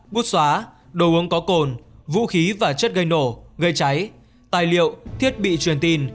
bút xóa đồ uống có cồn vũ khí và chất gây nổ gây cháy tài liệu thiết bị truyền tin